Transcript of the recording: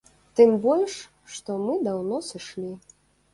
Тым больш што мы даўно сышлі.